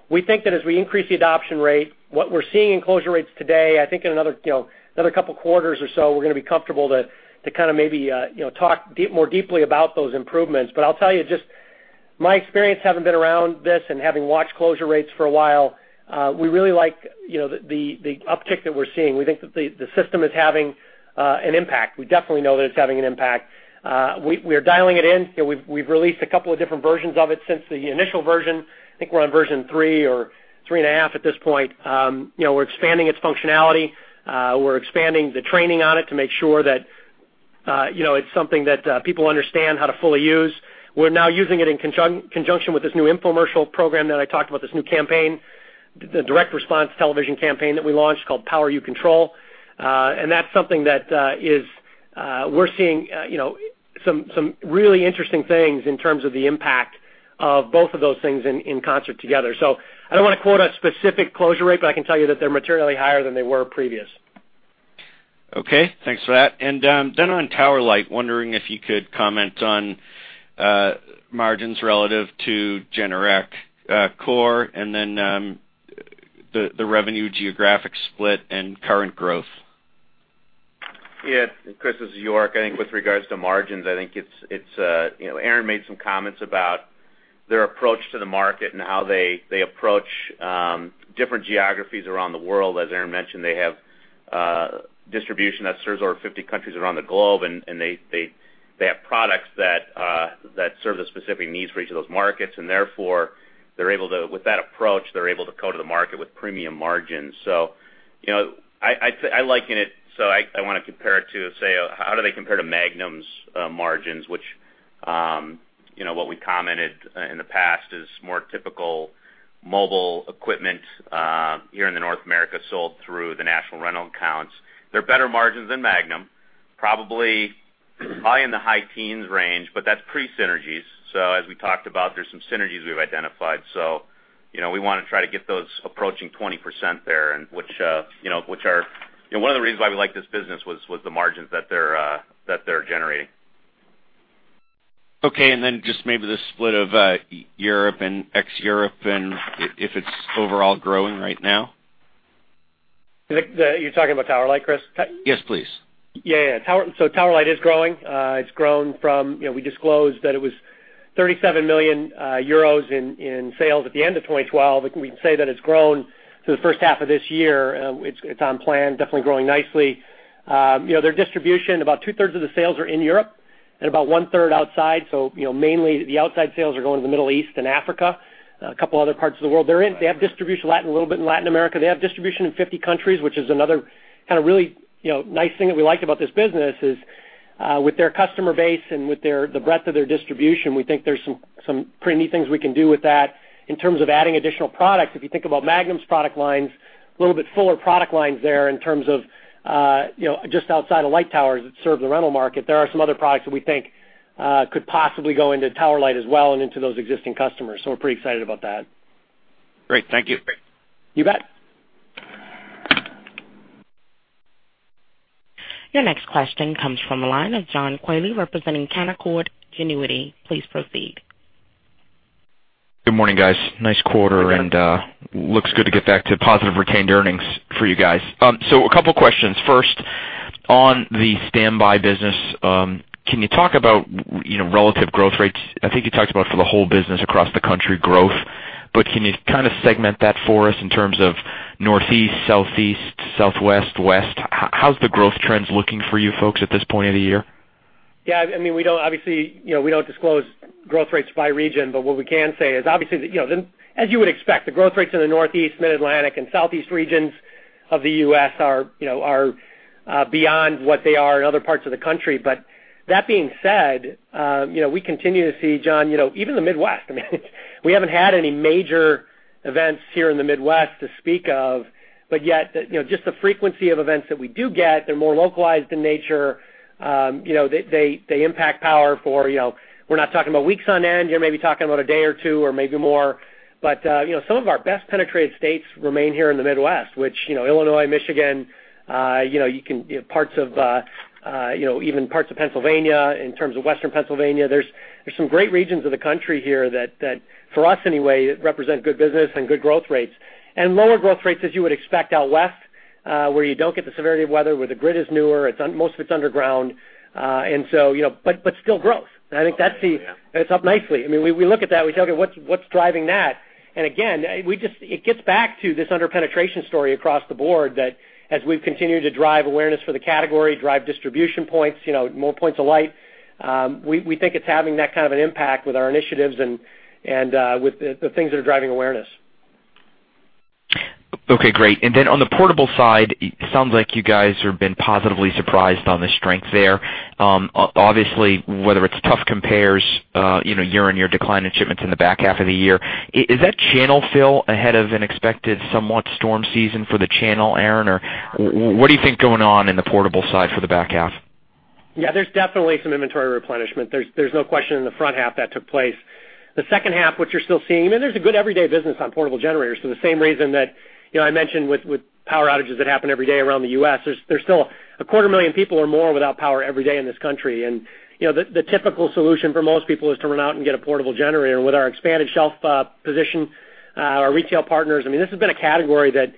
We think that as we increase the adoption rate, what we're seeing in closure rates today, I think in another couple of quarters or so, we're going to be comfortable to maybe talk more deeply about those improvements. I'll tell you, just my experience having been around this and having watched closure rates for a while, we really like the uptick that we're seeing. We think that the system is having an impact. We definitely know that it's having an impact. We are dialing it in. We've released a couple of different versions of it since the initial version. I think we're on version 3 or 3.5 At this point. We're expanding its functionality. We're expanding the training on it to make sure that it's something that people understand how to fully use. We're now using it in conjunction with this new infomercial program that I talked about, this new campaign, the direct response television campaign that we launched called Power You Control. That's something that we're seeing some really interesting things in terms of the impact of both of those things in concert together. I don't want to quote a specific closure rate, I can tell you that they're materially higher than they were previous. Okay, thanks for that. On Tower Light, wondering if you could comment on margins relative to Generac core and the revenue geographic split and current growth. Yeah. Chris, this is York. I think with regards to margins, Aaron made some comments about their approach to the market and how they approach different geographies around the world. As Aaron mentioned, they have distribution that serves over 50 countries around the globe, and they have products that serve the specific needs for each of those markets. Therefore, with that approach, they're able to go to the market with premium margins. I want to compare it to, say, how do they compare to Magnum's margins, which what we commented in the past is more typical mobile equipment here in North America sold through the national rental accounts. They're better margins than Magnum, probably in the high teens range, that's pre-synergies. As we talked about, there's some synergies we've identified. We want to try to get those approaching 20% there. One of the reasons why we like this business was the margins that they're generating. Okay, just maybe the split of Europe and ex-Europe and if it's overall growing right now. You're talking about Tower Light, Chris? Yes, please. Yeah. Tower Light is growing. It's grown from, we disclosed that it was 37 million euros in sales at the end of 2012. We can say that it's grown through the first half of this year. It's on plan, definitely growing nicely. Their distribution, about two-thirds of the sales are in Europe and about one-third outside. Mainly the outside sales are going to the Middle East and Africa, a couple other parts of the world. They have distribution a little bit in Latin America. They have distribution in 50 countries, which is another kind of really nice thing that we like about this business is with their customer base and with the breadth of their distribution, we think there's some pretty neat things we can do with that in terms of adding additional products. If you think about Magnum's product lines, a little bit fuller product lines there in terms of just outside of light towers that serve the rental market, there are some other products that we think could possibly go into Tower Light as well and into those existing customers. We're pretty excited about that. Great. Thank you. You bet. Your next question comes from the line of John Quealy representing Canaccord Genuity. Please proceed. Good morning, guys. Nice quarter, and looks good to get back to positive retained earnings for you guys. A couple questions. First, on the standby business, can you talk about relative growth rates? I think you talked about for the whole business across the country growth, but can you kind of segment that for us in terms of Northeast, Southeast, Southwest, West? How's the growth trends looking for you folks at this point of the year? Yeah, obviously, we don't disclose growth rates by region. What we can say is, as you would expect, the growth rates in the Northeast, Mid-Atlantic, and Southeast regions of the U.S. are beyond what they are in other parts of the country. That being said, we continue to see, John, even the Midwest, we haven't had any major events here in the Midwest to speak of, yet, just the frequency of events that we do get, they're more localized in nature. They impact power for, we're not talking about weeks on end. You're maybe talking about a day or two or maybe more. Some of our best penetrated states remain here in the Midwest, which Illinois, Michigan, even parts of Pennsylvania. In terms of Western Pennsylvania, there's some great regions of the country here that for us anyway, represent good business and good growth rates. Lower growth rates, as you would expect out West, where you don't get the severity of weather, where the grid is newer, most of it's underground. Still growth. I think that's the- Oh, yeah. It's up nicely. We look at that, we say, "Okay, what's driving that?" Again, it gets back to this under-penetration story across the board that as we've continued to drive awareness for the category, drive distribution points, more points of light, we think it's having that kind of an impact with our initiatives and with the things that are driving awareness. Okay, great. Then on the portable side, it sounds like you guys have been positively surprised on the strength there. Obviously, whether it's tough compares, year-on-year decline in shipments in the back half of the year. Is that channel fill ahead of an expected somewhat storm season for the channel, Aaron, or what do you think going on in the portable side for the back half? Yeah, there's definitely some inventory replenishment. There's no question in the front half that took place. The second half, which you're still seeing, there's a good everyday business on portable generators for the same reason that I mentioned with power outages that happen every day around the U.S. There's still a quarter million people or more without power every day in this country. The typical solution for most people is to run out and get a portable generator. With our expanded shelf position, our retail partners, this has been a category that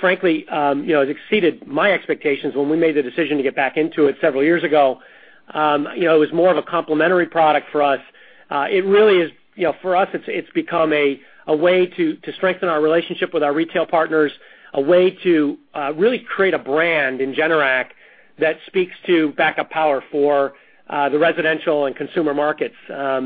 frankly has exceeded my expectations when we made the decision to get back into it several years ago. It was more of a complementary product for us. For us, it's become a way to strengthen our relationship with our retail partners, a way to really create a brand in Generac that speaks to backup power for the residential and consumer markets. I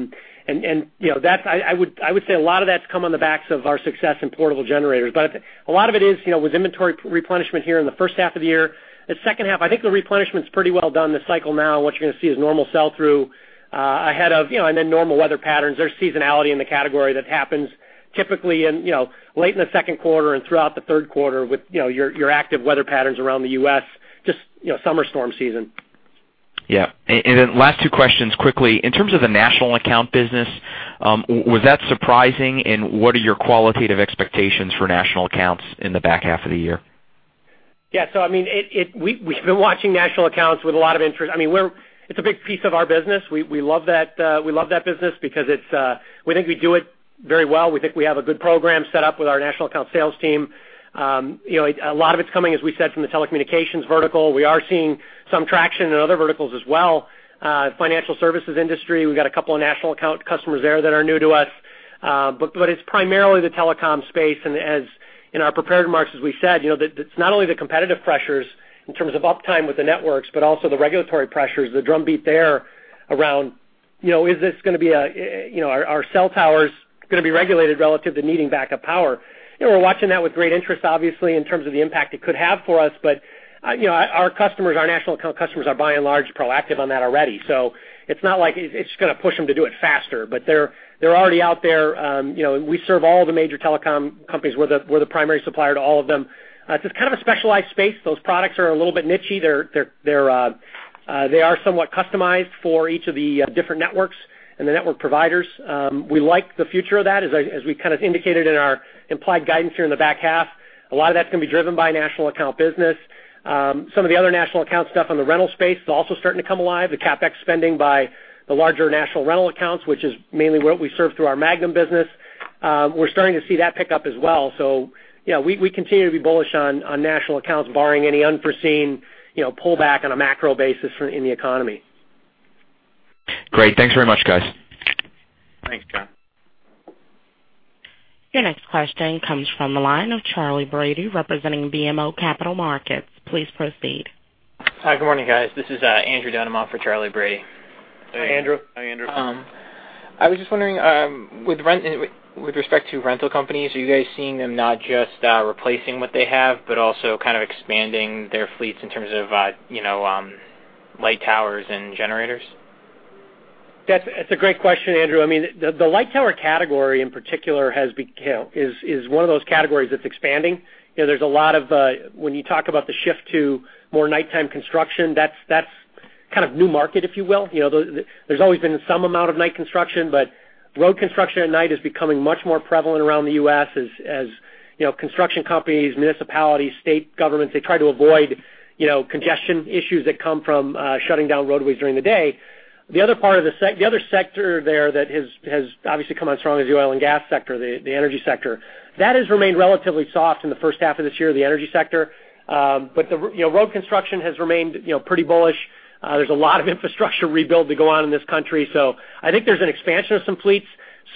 would say a lot of that's come on the backs of our success in portable generators. A lot of it was inventory replenishment here in the first half of the year. The second half, I think the replenishment's pretty well done this cycle now, what you're going to see is normal sell-through ahead of normal weather patterns. There's seasonality in the category that happens typically late in the second quarter and throughout the third quarter with your active weather patterns around the U.S., just summer storm season. Yeah. Then last two questions quickly. In terms of the national account business, was that surprising? What are your qualitative expectations for national accounts in the back half of the year? Yeah. We've been watching national accounts with a lot of interest. It's a big piece of our business. We love that business because we think we do it very well. We think we have a good program set up with our national account sales team. A lot of it's coming, as we said, from the telecommunications vertical. We are seeing some traction in other verticals as well. Financial services industry, we've got a couple of national account customers there that are new to us. It's primarily the telecom space, and as in our prepared remarks, as we said, that it's not only the competitive pressures in terms of uptime with the networks, but also the regulatory pressures, the drumbeat there around, are cell towers going to be regulated relative to needing backup power? We're watching that with great interest, obviously, in terms of the impact it could have for us. Our national account customers are by and large proactive on that already. It's just going to push them to do it faster. They're already out there. We serve all the major telecom companies. We're the primary supplier to all of them. It's kind of a specialized space. Those products are a little bit nichey. They are somewhat customized for each of the different networks and the network providers. We like the future of that, as we kind of indicated in our implied guidance here in the back half. A lot of that's going to be driven by national account business. Some of the other national account stuff on the rental space is also starting to come alive. The CapEx spending by the larger national rental accounts, which is mainly what we serve through our Magnum business, we're starting to see that pick up as well. Yeah, we continue to be bullish on national accounts, barring any unforeseen pullback on a macro basis in the economy. Great. Thanks very much, guys. Thanks, John. Your next question comes from the line of Charles Brady, representing BMO Capital Markets. Please proceed. Hi. Good morning, guys. This is Andrew Dunham for Charles Brady. Hey, Andrew. Hi, Andrew. I was just wondering, with respect to rental companies, are you guys seeing them not just replacing what they have, but also kind of expanding their fleets in terms of light towers and generators? That's a great question, Andrew. The light tower category in particular is one of those categories that's expanding. When you talk about the shift to more nighttime construction, that's kind of new market, if you will. There's always been some amount of night construction, but road construction at night is becoming much more prevalent around the U.S. as construction companies, municipalities, state governments, they try to avoid congestion issues that come from shutting down roadways during the day. The other sector there that has obviously come on strong is the oil and gas sector, the energy sector. That has remained relatively soft in the first half of this year, the energy sector. Road construction has remained pretty bullish. I think there's an expansion of some fleets.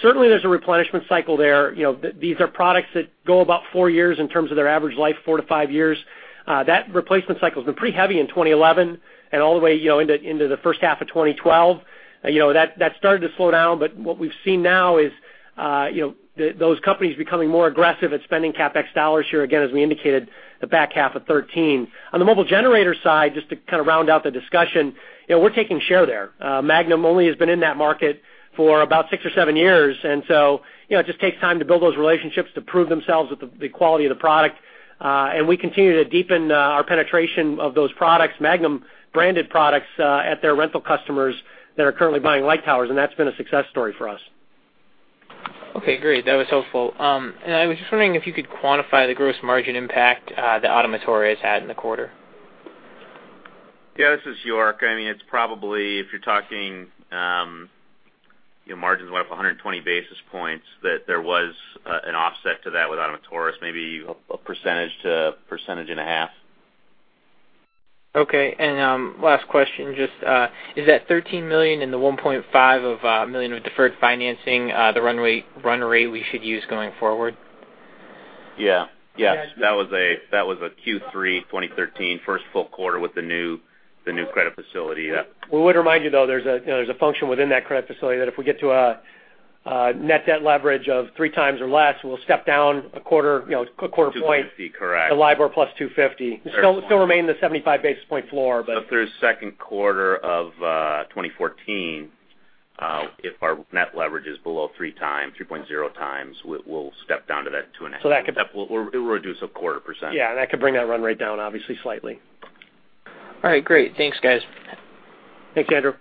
Certainly, there's a replenishment cycle there. These are products that go about four years in terms of their average life, four-five years. That replacement cycle's been pretty heavy in 2011 and all the way into the first half of 2012. What we've seen now is those companies becoming more aggressive at spending CapEx dollars here again, as we indicated, the back half of 2013. On the mobile generator side, just to kind of round out the discussion, we're taking share there. Magnum only has been in that market for about six or seven years, it just takes time to build those relationships, to prove themselves with the quality of the product. We continue to deepen our penetration of those products, Magnum-branded products, at their rental customers that are currently buying light towers, and that's been a success story for us. Okay, great. That was helpful. I was just wondering if you could quantify the gross margin impact that Ottomotores had in the quarter. Yeah, this is York. It's probably, if you're talking margins went up 120 basis points, that there was an offset to that with Ottomotores, maybe a percentage to a percentage and a half. Okay. Last question, just is that $13 million and the $1.5 million of deferred financing, the run rate we should use going forward? Yeah. That was a Q3 2013 first full quarter with the new credit facility, yeah. We would remind you, though, there's a function within that credit facility that if we get to a net debt leverage of 3x or less, we'll step down a quarter point. 250, correct. LIBOR +250. Still remain the 75 basis point floor. Through second quarter of 2014, if our net leverage is below 3.0x, we'll step down to that 2.5x. That could It will reduce a quarter percent. Yeah, that could bring that run rate down obviously slightly. All right, great. Thanks, guys. Thanks, Andrew.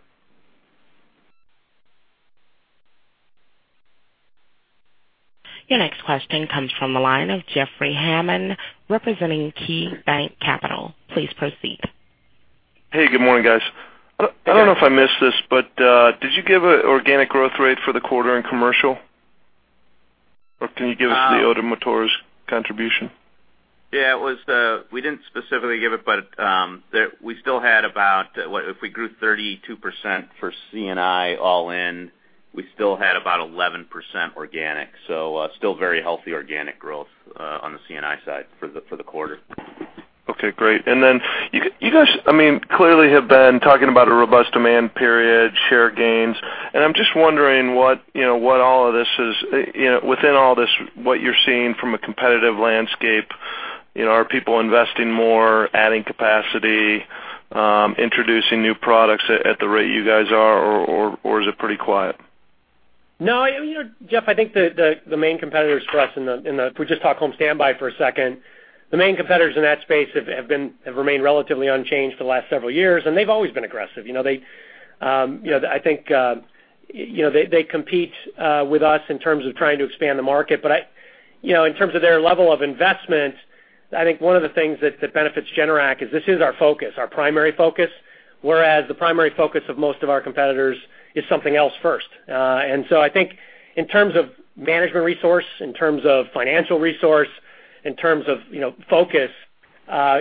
Your next question comes from the line of Jeffrey Hammond, representing KeyBanc Capital. Please proceed. Hey, good morning, guys. Hey, Jeff. I don't know if I missed this, did you give an organic growth rate for the quarter in commercial? Can you give us the Ottomotores contribution? We didn't specifically give it, if we grew 32% for C&I all in, we still had about 11% organic. Still very healthy organic growth on the C&I side for the quarter. You guys clearly have been talking about a robust demand period, share gains, and I'm just wondering within all this, what you're seeing from a competitive landscape. Are people investing more, adding capacity, introducing new products at the rate you guys are, or is it pretty quiet? No, Jeff, I think the main competitors for us, if we just talk home standby for a second, the main competitors in that space have remained relatively unchanged for the last several years, and they've always been aggressive. I think they compete with us in terms of trying to expand the market. In terms of their level of investment, I think one of the things that benefits Generac is this is our focus, our primary focus, whereas the primary focus of most of our competitors is something else first. I think in terms of management resource, in terms of financial resource, in terms of focus, I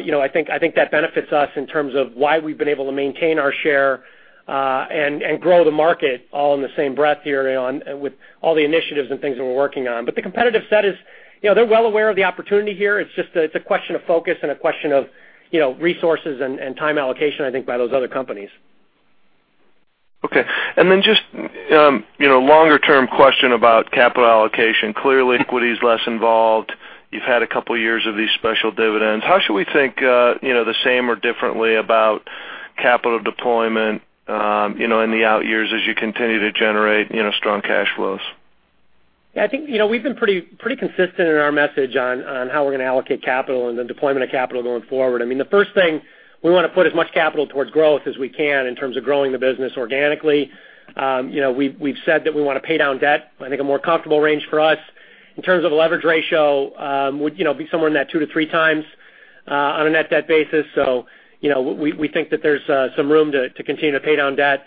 think that benefits us in terms of why we've been able to maintain our share, and grow the market all in the same breath here with all the initiatives and things that we're working on. The competitive set, they're well aware of the opportunity here. It's just a question of focus and a question of resources and time allocation, I think, by those other companies. Just longer term question about capital allocation. Clearly, equity is less involved. You've had a couple of years of these special dividends. How should we think, the same or differently about capital deployment in the out years as you continue to generate strong cash flows? I think we've been pretty consistent in our message on how we're going to allocate capital and the deployment of capital going forward. The first thing, we want to put as much capital towards growth as we can in terms of growing the business organically. We've said that we want to pay down debt. I think a more comfortable range for us in terms of a leverage ratio would be somewhere in that 2x-3x on a net debt basis. We think that there's some room to continue to pay down debt.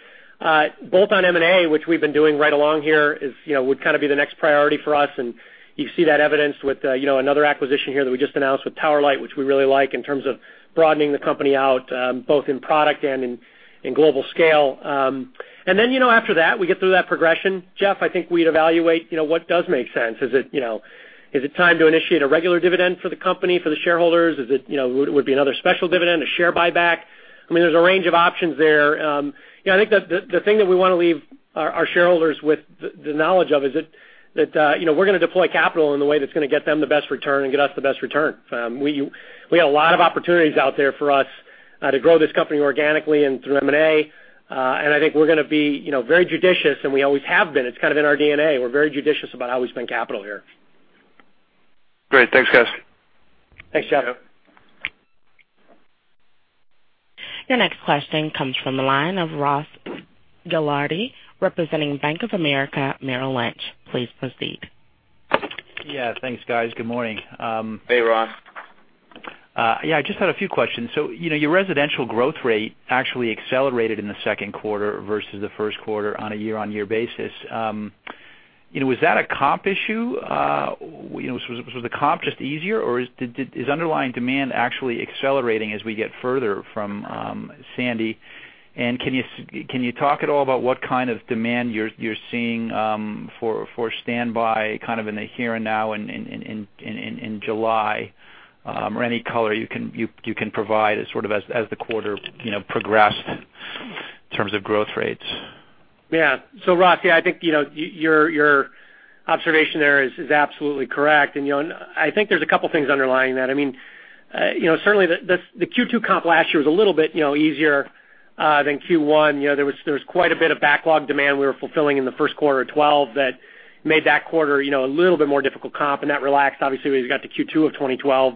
Both on M&A, which we've been doing right along here would be the next priority for us, and you see that evidenced with another acquisition here that we just announced with Tower Light, which we really like in terms of broadening the company out, both in product and in global scale. After that, we get through that progression. Jeff, I think we'd evaluate what does make sense. Is it time to initiate a regular dividend for the company, for the shareholders? Would it be another special dividend, a share buyback? There's a range of options there. I think the thing that we want to leave our shareholders with the knowledge of is it that we're going to deploy capital in the way that's going to get them the best return and get us the best return. We have a lot of opportunities out there for us to grow this company organically and through M&A. I think we're going to be very judicious, and we always have been. It's kind of in our DNA. We're very judicious about how we spend capital here. Great. Thanks, guys. Thanks, Jeff. Yeah. Your next question comes from the line of Ross Gilardi, representing Bank of America Merrill Lynch. Please proceed. Yeah, thanks, guys. Good morning. Hey, Ross. I just had a few questions. Your residential growth rate actually accelerated in the second quarter versus the first quarter on a year-on-year basis. Was that a comp issue? Was the comp just easier, or is underlying demand actually accelerating as we get further from Sandy? Can you talk at all about what kind of demand you're seeing for standby kind of in the here and now in July? Any color you can provide as sort of as the quarter progressed in terms of growth rates. Ross, I think your observation there is absolutely correct. I think there's a couple things underlying that. Certainly, the Q2 comp last year was a little bit easier than Q1. There was quite a bit of backlog demand we were fulfilling in the first quarter of 2012 that made that quarter a little bit more difficult comp, and that relaxed, obviously, as we got to Q2 of 2012.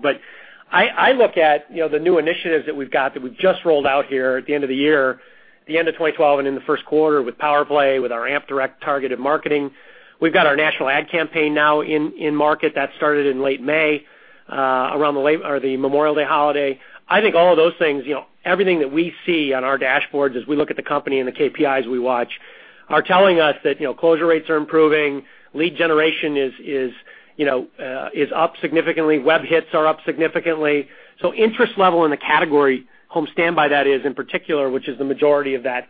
I look at the new initiatives that we've got that we've just rolled out here at the end of the year, the end of 2012, and in the first quarter with PowerPlay, with our A.M.P. direct targeted marketing. We've got our national ad campaign now in market. That started in late May, around the Memorial Day holiday. I think all of those things, everything that we see on our dashboards as we look at the company and the KPIs we watch, are telling us that closure rates are improving, lead generation is up significantly, web hits are up significantly. Interest level in the category, home standby, that is, in particular, which is the majority of that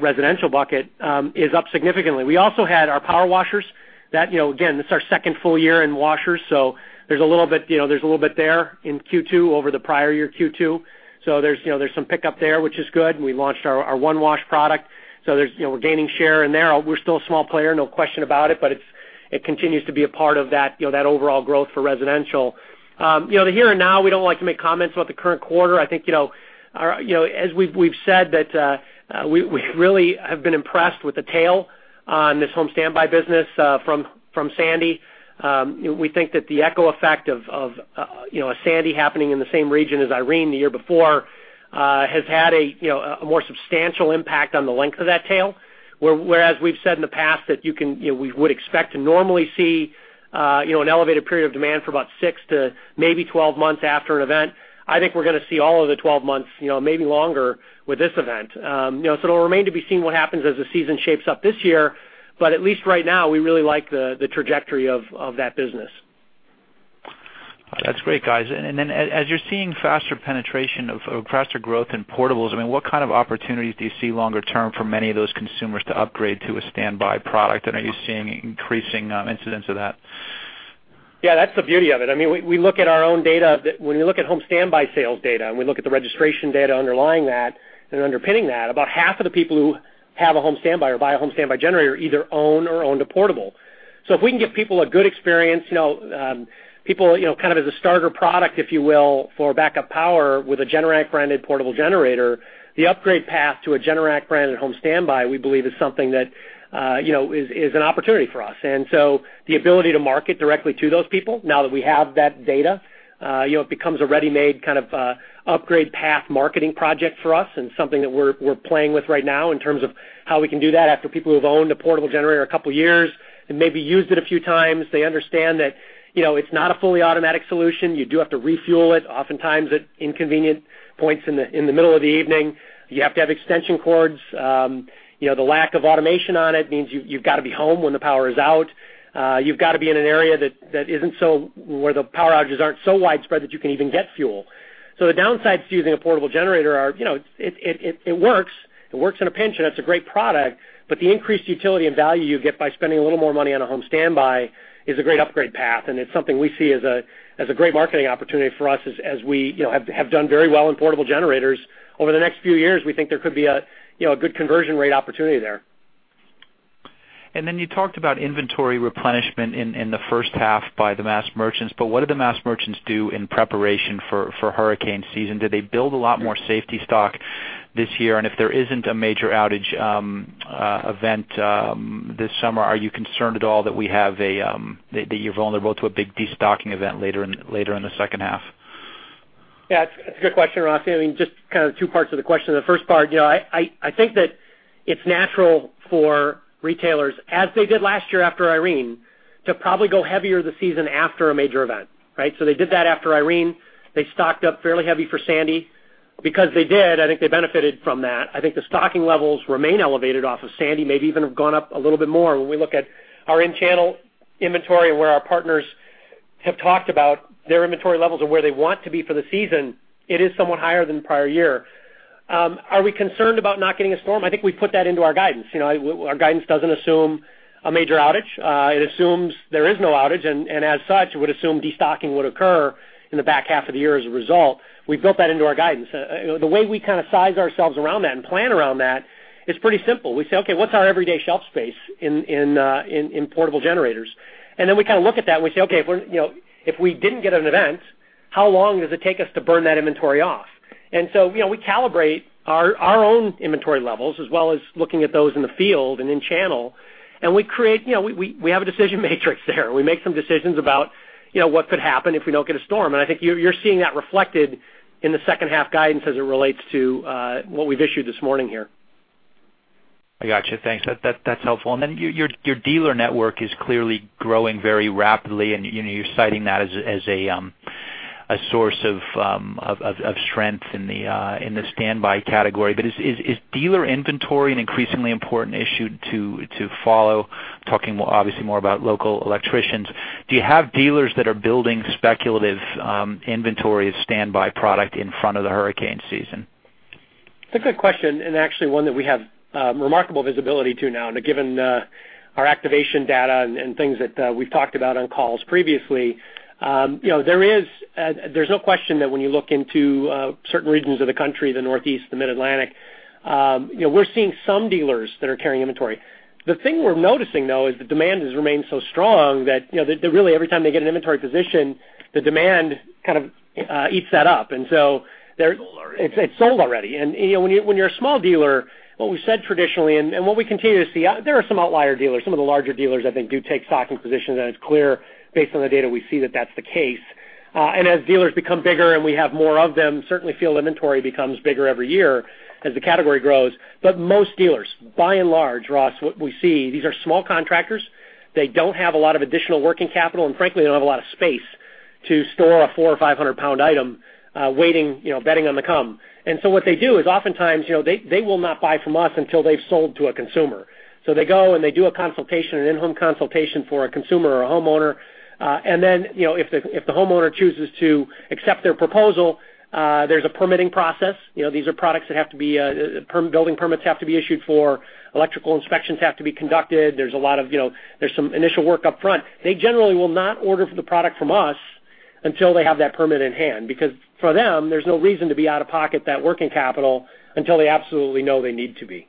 residential bucket, is up significantly. We also had our power washers. That, again, this is our second full year in washers, there's a little bit there in Q2 over the prior year Q2. There's some pickup there, which is good, and we launched our OneWash product. We're gaining share in there. We're still a small player, no question about it, but it continues to be a part of that overall growth for residential. The here and now, we don't like to make comments about the current quarter. I think, as we've said that we really have been impressed with the tail on this home standby business from Sandy. We think that the echo effect of Sandy happening in the same region as Irene the year before has had a more substantial impact on the length of that tail. Whereas we've said in the past that we would expect to normally see an elevated period of demand for about six to maybe 12 months after an event. I think we're going to see all of the 12 months, maybe longer, with this event. It'll remain to be seen what happens as the season shapes up this year, but at least right now, we really like the trajectory of that business. That's great, guys. As you're seeing faster penetration of faster growth in portables, what kind of opportunities do you see longer term for many of those consumers to upgrade to a standby product? Are you seeing increasing incidents of that? Yeah, that's the beauty of it. We look at our own data. When we look at home standby sales data, and we look at the registration data underlying that and underpinning that, about half of the people who have a home standby or buy a home standby generator either own or owned a portable. So if we can give people a good experience, kind of as a starter product, if you will, for backup power with a Generac-branded portable generator, the upgrade path to a Generac-branded home standby, we believe, is something that is an opportunity for us. The ability to market directly to those people, now that we have that data, it becomes a ready-made kind of upgrade path marketing project for us and something that we're playing with right now in terms of how we can do that after people who have owned a portable generator a couple of years and maybe used it a few times. They understand that it's not a fully automatic solution. You do have to refuel it, oftentimes at inconvenient points in the middle of the evening. You have to have extension cords. The lack of automation on it means you've got to be home when the power is out. You've got to be in an area where the power outages aren't so widespread that you can't even get fuel. The downsides to using a portable generator are, it works. It works in a pinch, it's a great product, but the increased utility and value you get by spending a little more money on a home standby is a great upgrade path. It's something we see as a great marketing opportunity for us, as we have done very well in portable generators. Over the next few years, we think there could be a good conversion rate opportunity there. You talked about inventory replenishment in the first half by the mass merchants, what do the mass merchants do in preparation for hurricane season? Do they build a lot more safety stock this year? If there isn't a major outage event this summer, are you concerned at all that you're vulnerable to a big de-stocking event later in the second half? It's a good question, Ross. Two parts of the question. The first part, I think that it's natural for retailers, as they did last year after Irene, to probably go heavier the season after a major event. They did that after Irene. They stocked up fairly heavy for Sandy. Because they did, I think they benefited from that. I think the stocking levels remain elevated off of Sandy, maybe even have gone up a little bit more. When we look at our in-channel inventory where our partners have talked about their inventory levels and where they want to be for the season, it is somewhat higher than the prior year. Are we concerned about not getting a storm? I think we put that into our guidance. Our guidance doesn't assume a major outage. It assumes there is no outage, as such, it would assume de-stocking would occur in the back half of the year as a result. We built that into our guidance. The way we kind of size ourselves around that and plan around that is pretty simple. We say, "Okay, what's our everyday shelf space in portable generators?" We kind of look at that and we say, "Okay, if we didn't get an event, how long does it take us to burn that inventory off?" We calibrate our own inventory levels, as well as looking at those in the field and in-channel, we have a decision matrix there. We make some decisions about what could happen if we don't get a storm. I think you're seeing that reflected in the second half guidance as it relates to what we've issued this morning here. I got you. Thanks. That's helpful. Your dealer network is clearly growing very rapidly, and you're citing that as a source of strength in the standby category. Is dealer inventory an increasingly important issue to follow? Talking obviously more about local electricians. Do you have dealers that are building speculative inventories of standby product in front of the hurricane season? It's a good question, and actually one that we have remarkable visibility to now, given our activation data and things that we've talked about on calls previously. There's no question that when you look into certain regions of the country, the Northeast, the Mid-Atlantic, we're seeing some dealers that are carrying inventory. The thing we're noticing, though, is the demand has remained so strong that really every time they get an inventory position, the demand kind of eats that up. It's sold already. When you're a small dealer, what we've said traditionally and what we continue to see, there are some outlier dealers. Some of the larger dealers, I think, do take stocking positions, and it's clear based on the data we see that that's the case. As dealers become bigger and we have more of them, certainly field inventory becomes bigger every year as the category grows. Most dealers, by and large, Ross, what we see, these are small contractors. They don't have a lot of additional working capital, and frankly, they don't have a lot of space to store a 4 or 500-pound item, waiting, betting on the come. What they do is oftentimes, they will not buy from us until they've sold to a consumer. They go and they do an in-home consultation for a consumer or a homeowner. Then, if the homeowner chooses to accept their proposal, there's a permitting process. These are products that building permits have to be issued for. Electrical inspections have to be conducted. There's some initial work upfront. They generally will not order the product from us until they have that permit in hand, because for them, there's no reason to be out of pocket that working capital until they absolutely know they need to be.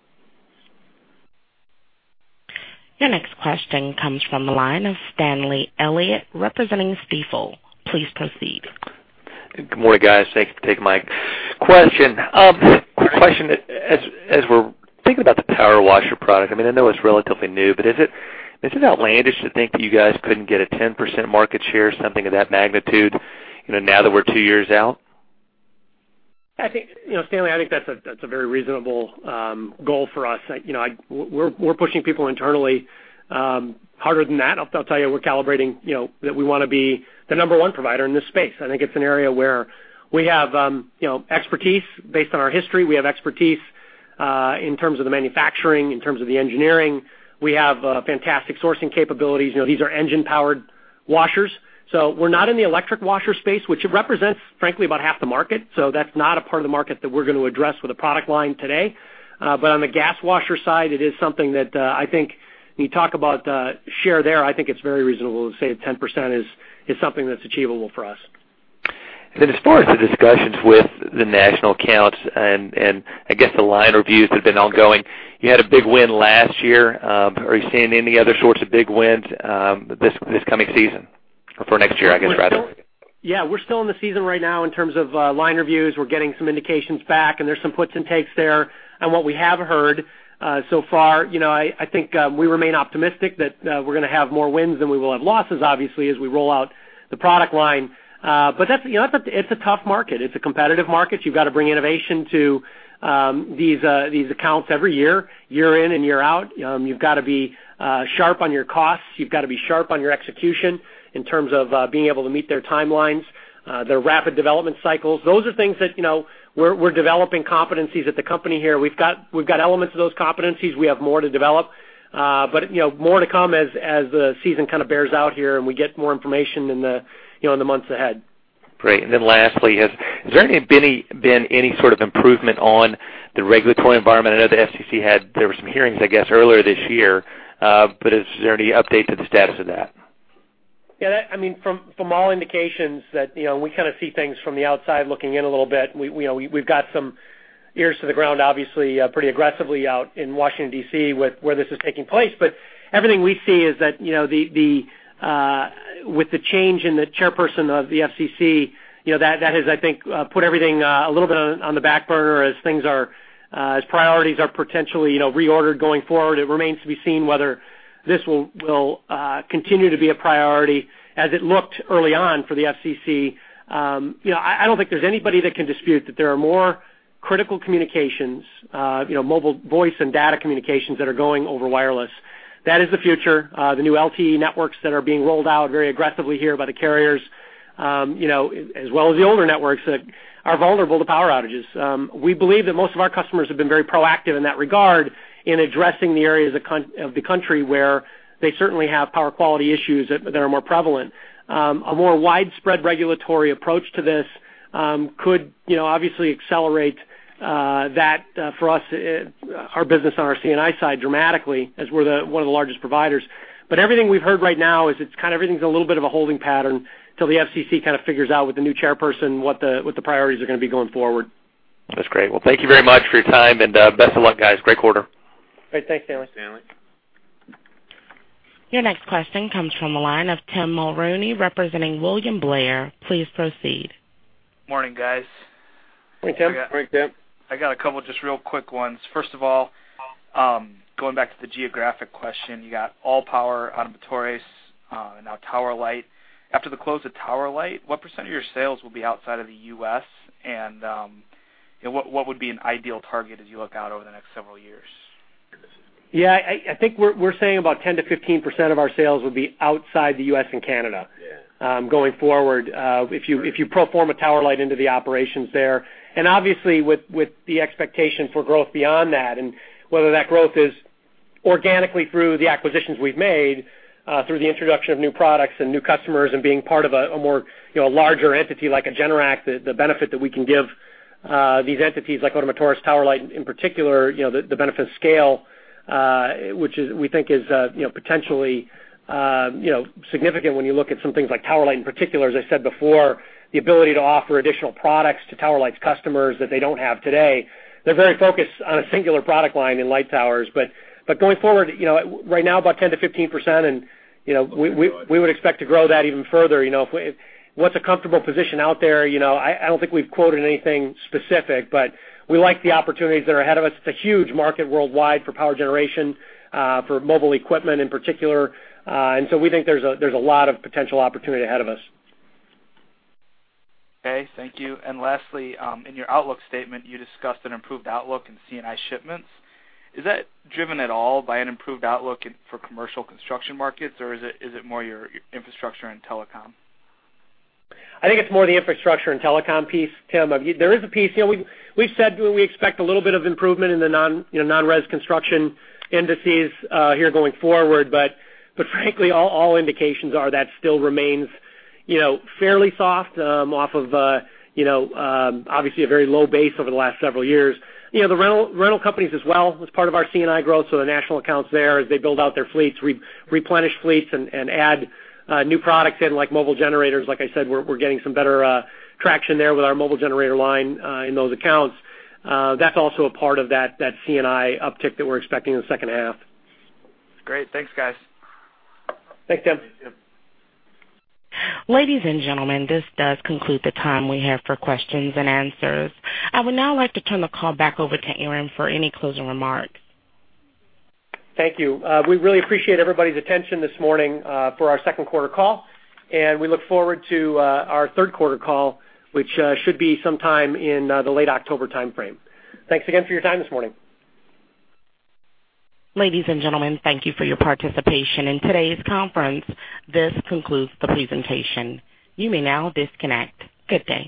Your next question comes from the line of Stanley Elliott representing Stifel. Please proceed. Good morning, guys. Thanks. You can take the mic. Question. As we're thinking about the power washer product, I know it's relatively new, but is it outlandish to think that you guys couldn't get a 10% market share or something of that magnitude now that we're two years out? Stanley, I think that's a very reasonable goal for us. We're pushing people internally harder than that. I'll tell you, we're calibrating that we want to be the number 1 provider in this space. I think it's an area where we have expertise based on our history. We have expertise in terms of the manufacturing, in terms of the engineering. We have fantastic sourcing capabilities. These are engine-powered washers. We're not in the electric washer space, which represents, frankly, about half the market. That's not a part of the market that we're going to address with a product line today. On the gas washer side, it is something that I think when you talk about share there, I think it's very reasonable to say that 10% is something that's achievable for us. As far as the discussions with the national accounts and I guess the line reviews have been ongoing. You had a big win last year. Are you seeing any other sorts of big wins this coming season or for next year, I guess, rather? Yeah. We're still in the season right now in terms of line reviews. We're getting some indications back. There's some puts and takes there on what we have heard so far. I think we remain optimistic that we're going to have more wins than we will have losses, obviously, as we roll out the product line. It's a tough market. It's a competitive market. You've got to bring innovation to these accounts every year in and year out. You've got to be sharp on your costs. You've got to be sharp on your execution in terms of being able to meet their timelines, their rapid development cycles. Those are things that we're developing competencies at the company here. We've got elements of those competencies. We have more to develop. More to come as the season kind of bears out here and we get more information in the months ahead. Great. Lastly, has there been any sort of improvement on the regulatory environment? I know the FCC, there were some hearings, I guess, earlier this year. Is there any update to the status of that? Yeah. From all indications that we kind of see things from the outside looking in a little bit. We've got some ears to the ground, obviously, pretty aggressively out in Washington, D.C., where this is taking place. Everything we see is that with the change in the chairperson of the FCC, that has, I think, put everything a little bit on the back burner as priorities are potentially reordered going forward. It remains to be seen whether this will continue to be a priority as it looked early on for the FCC. I don't think there's anybody that can dispute that there are more critical communications, mobile voice and data communications that are going over wireless. That is the future. The new LTE networks that are being rolled out very aggressively here by the carriers, as well as the older networks that are vulnerable to power outages. We believe that most of our customers have been very proactive in that regard in addressing the areas of the country where they certainly have power quality issues that are more prevalent. A more widespread regulatory approach to this could obviously accelerate that for us, our business on our C&I side dramatically, as we're one of the largest providers. Everything we've heard right now is it's kind of everything's in a little bit of a holding pattern till the FCC kind of figures out with the new chairperson what the priorities are going to be going forward. That's great. Well, thank you very much for your time and best of luck, guys. Great quarter. Great. Thanks, Stanley. Your next question comes from the line of Tim Mulrooney representing William Blair. Please proceed. Morning, guys. Hey, Tim. Hey, Tim. I got a couple just real quick ones. First of all, going back to the geographic question, you got All Power, Ottomotores, and now Tower Light. After the close of Tower Light, what percentage of your sales will be outside of the U.S., and what would be an ideal target as you look out over the next several years? Yeah, I think we're saying about 10%-15% of our sales will be outside the U.S. and Canada going forward. If you pro forma Tower Light into the operations there. Obviously, with the expectation for growth beyond that, and whether that growth is organically through the acquisitions we've made, through the introduction of new products and new customers, and being part of a more larger entity like a Generac, the benefit that we can give these entities like Ottomotores, Tower Light in particular, the benefit of scale, which we think is potentially significant when you look at some things like Tower Light in particular. As I said before, the ability to offer additional products to Tower Light's customers that they don't have today. They're very focused on a singular product line in light towers. Going forward, right now, about 10%-15%, and we would expect to grow that even further. What's a comfortable position out there? I don't think we've quoted anything specific, but we like the opportunities that are ahead of us. It's a huge market worldwide for power generation, for mobile equipment in particular. We think there's a lot of potential opportunity ahead of us. Okay, thank you. Lastly, in your outlook statement, you discussed an improved outlook in C&I shipments. Is that driven at all by an improved outlook for commercial construction markets, or is it more your infrastructure and telecom? I think it's more the infrastructure and telecom piece, Tim. There is a piece. We've said we expect a little bit of improvement in the non-res construction indices here going forward, frankly, all indications are that still remains fairly soft, off of obviously a very low base over the last several years. The rental companies as well was part of our C&I growth, so the national accounts there, as they build out their fleets, replenish fleets, and add new products in like mobile generators. Like I said, we're getting some better traction there with our mobile generator line in those accounts. That's also a part of that C&I uptick that we're expecting in the second half. Great. Thanks, guys. Thanks, Tim. Ladies and gentlemen, this does conclude the time we have for questions and answers. I would now like to turn the call back over to Aaron for any closing remarks. Thank you. We really appreciate everybody's attention this morning for our second quarter call. We look forward to our third quarter call, which should be sometime in the late October timeframe. Thanks again for your time this morning. Ladies and gentlemen, thank you for your participation in today's conference. This concludes the presentation. You may now disconnect. Good day.